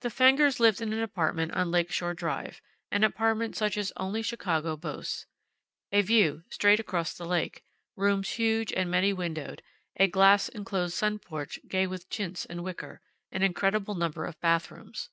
The Fengers lived in an apartment on the Lake Shore Drive an apartment such as only Chicago boasts. A view straight across the lake, rooms huge and many windowed, a glass enclosed sun porch gay with chintz and wicker, an incredible number of bathrooms.